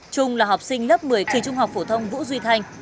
trung là học sinh lớp một mươi kỳ trung học phổ thông vũ duy thanh